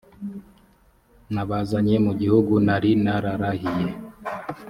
nabazanye mu gihugu nari nararahiye